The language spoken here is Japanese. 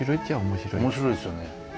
面白いですよね。